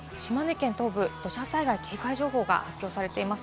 島根県東部、土砂災害警戒情報が発表されています。